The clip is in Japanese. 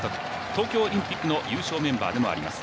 東京オリンピックの優勝メンバーでもあります